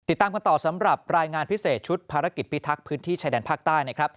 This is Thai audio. ติดตามกันต่อสำหรับรายงานพิเศษชุดภารกิจพิทักษ์พื้นที่ชายแดนภาคใต้นะครับ